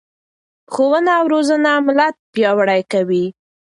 ښوونه او روزنه ملت پیاوړی کوي.